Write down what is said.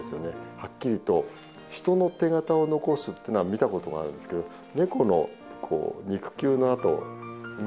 はっきりと人の手形を残すってのは見たことがあるんですけどネコの肉球の跡梅の花がついてるのが。